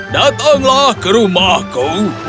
datanglah ke rumahku